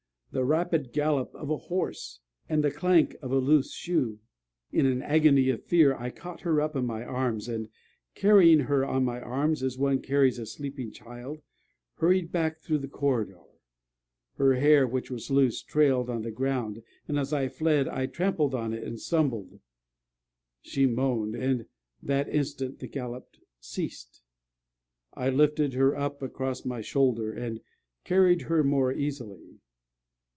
the rapid gallop of a horse, and the clank of a loose shoe. In an agony of fear, I caught her up in my arms, and, carrying her on my arms, as one carries a sleeping child, hurried back through the corridor. Her hair, which was loose, trailed on the ground; and, as I fled, I trampled on it and stumbled. She moaned; and that instant the gallop ceased. I lifted her up across my shoulder, and carried her more easily.